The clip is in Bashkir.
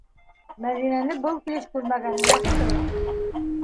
Мәҙинәне был килеш күрмәгәне яҡшы.